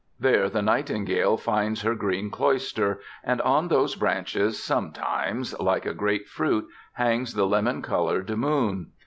There the nightingale finds her green cloister; and on those branches sometimes, like a great fruit, hangs the lemon colored Moon.